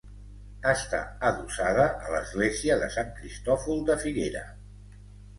Està adossada a l'església de Sant Cristòfol de Figuera.